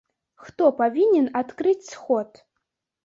Хто павінен адкрыць сход?